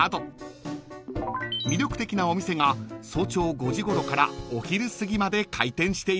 ［魅力的なお店が早朝５時ごろからお昼すぎまで開店しているんです］